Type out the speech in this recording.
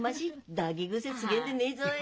抱き癖つけんでねえぞい。